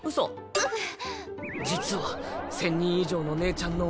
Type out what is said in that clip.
うっ！